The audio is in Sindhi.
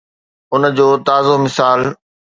ان جو تازو مثال